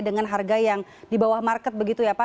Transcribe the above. dengan harga yang di bawah market begitu ya pak